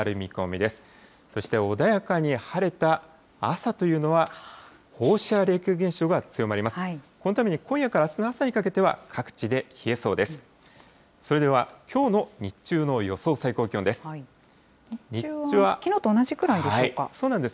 このために今夜からあすの朝にかけては各地で冷えそうです。